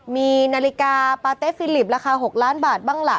มีนาฬิกาปาเต๊ฟิลิปราคา๖ล้านบาทบ้างล่ะ